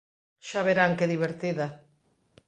Xa verán que divertida.